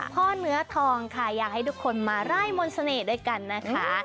เนื้อทองค่ะอยากให้ทุกคนมาไล่มนต์เสน่ห์ด้วยกันนะคะ